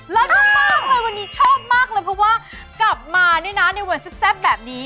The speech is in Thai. มากเลยวันนี้ชอบมากเลยเพราะว่ากลับมาเนี่ยนะในวันแซ่บแบบนี้